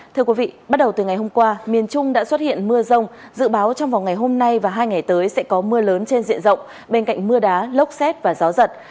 thưa quý vị bắt đầu từ ngày hôm qua miền trung đã xuất hiện mưa rông dự báo trong vòng ngày hôm nay và hai ngày tới sẽ có mưa lớn trên diện rộng bên cạnh mưa đá lốc xét và gió giật